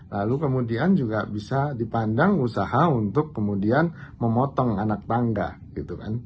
lalu kemudian juga bisa dipandang usaha untuk kemudian memotong anak tangga gitu kan